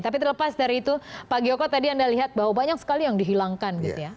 tapi terlepas dari itu pak gioko tadi anda lihat bahwa banyak sekali yang dihilangkan gitu ya